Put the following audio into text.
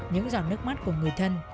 những giọt nước mắt của người thân